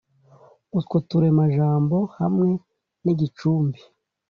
utwo turemajambo hamwe n’igicumbi